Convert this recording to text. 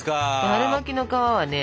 春巻きの皮はね